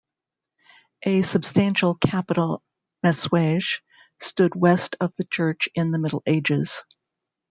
A substantial capital messuage stood west of the Church in the Middle Ages.